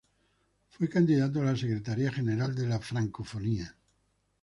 Fue candidato a la Secretaría General de la Francofonía.